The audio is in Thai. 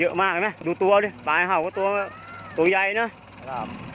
เยอะมากดูตัวดิปลายเห่าก็ตัวใหญ่เนี่ย